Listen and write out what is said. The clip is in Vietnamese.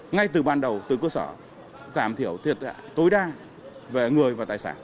ngay từ ban đầu từ cơ sở giảm thiểu thiệt hại tối đa về người và tài sản